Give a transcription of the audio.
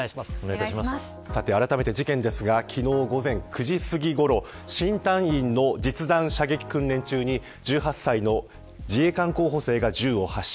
あらためて事件ですが昨日午前９時すぎごろ新隊員の実弾射撃訓練中に１８歳の自衛官候補生が銃を発射。